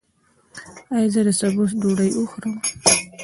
ایا زه د سبوس ډوډۍ وخورم؟